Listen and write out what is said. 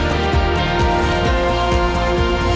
nasional perusahaan likigi